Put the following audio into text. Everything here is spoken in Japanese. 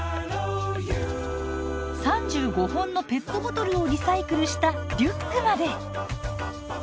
３５本のペットボトルをリサイクルしたリュックまで。